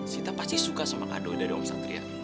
sita pasti suka sama kado dari om satria